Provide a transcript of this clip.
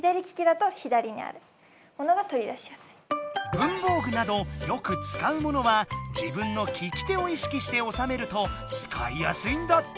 文房具などよく使うものは自分の利き手を意識しておさめると使いやすいんだって！